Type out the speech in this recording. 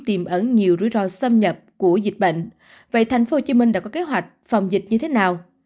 tìm ẩn nhiều rủi ro xâm nhập của dịch bệnh vậy tp hcm đã có kế hoạch phòng dịch như thế nào